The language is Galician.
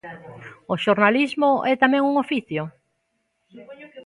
O xornalismo é tamén un oficio?